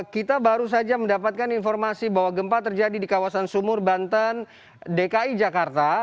kita baru saja mendapatkan informasi bahwa gempa terjadi di kawasan sumur banten dki jakarta